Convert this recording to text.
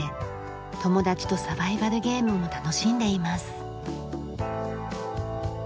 友達とサバイバルゲームも楽しんでいます。